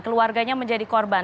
keluarganya menjadi korban